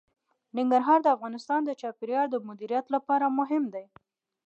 ننګرهار د افغانستان د چاپیریال د مدیریت لپاره مهم دي.